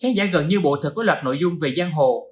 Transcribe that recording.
khán giả gần như bộ thật có loạt nội dung về giang hồ